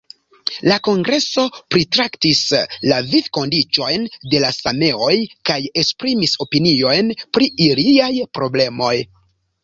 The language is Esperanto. La kongreso pritraktis la vivkondiĉojn de la sameoj kaj esprimis opiniojn pri iliaj problemoj.